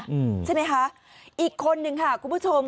อืมใช่ไหมคะอีกคนนึงค่ะคุณผู้ชม